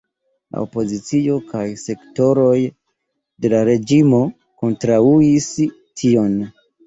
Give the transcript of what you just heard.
La opozicio kaj sektoroj de la reĝimo kontraŭis tion.